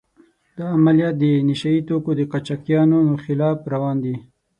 دا عملیات د نشه يي توکو د قاچاقچیانو خلاف روان دي.